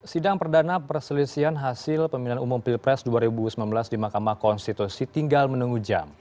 sidang perdana perselisian hasil pemilihan umum pilpres dua ribu sembilan belas di mahkamah konstitusi tinggal menunggu jam